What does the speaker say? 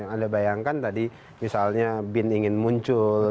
anda bayangkan tadi misalnya bin ingin muncul